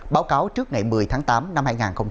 báo cáo trước ngày một mươi tháng tám năm hai nghìn hai mươi